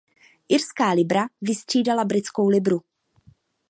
Irská libra vystřídala britskou libru.